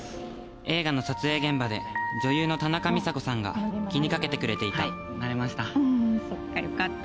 映画の撮影現場で女優の田中美佐子さんが気に掛けてくれていた